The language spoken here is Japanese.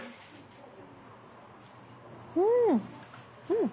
うん！